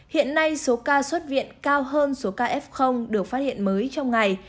hiện nay số ca xuất viện cao hơn số ca f được phát hiện mới trong ngày